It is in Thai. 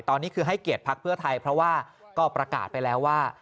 ตอนนี้คือให้เกียรติภักดิ์เพื่อไทยเพราะว่าก็ประกาศไปแล้วว่า